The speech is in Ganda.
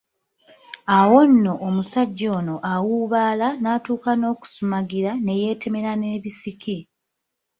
Awo nno omusajja ono awuubaala n’atuuka n’okusumagira ne yeetemera n’ebisiki.